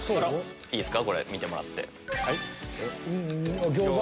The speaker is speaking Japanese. いいですか見てもらって。